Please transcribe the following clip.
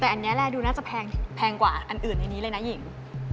แต่อันนี้แหละดูน่าจะแพงกว่าอันอื่นในนี้เลยนะหญิง